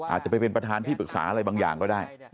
อาจจะไปเป็นประธานที่ปรึกษาอะไรบางอย่างก็ได้